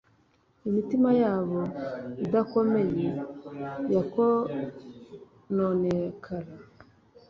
imitima yabo idakomeye yakononekara